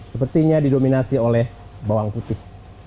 sepertinya didominasi oleh bawang putih